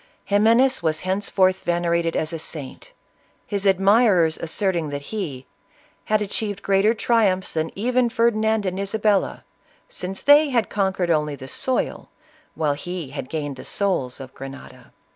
Ximenes was henceforth venerated as a saint, his admirers asserting that he "had achieved greater tri umphs than even Ferdinand and Isabella, since they had conquered only the soil, while he had gained the souls of Grenada."